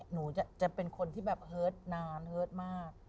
หนูจะเป็นคนที่แบบเฮิตนานเฮิตมาก